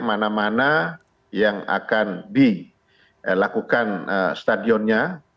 mana mana yang akan dilakukan stadionnya